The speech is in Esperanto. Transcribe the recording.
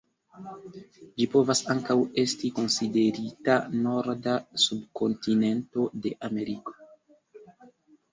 Ĝi povas ankaŭ esti konsiderita norda subkontinento de Ameriko.